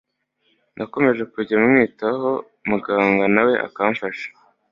nakomeje kujya mwitaho muganga nawe akamfasha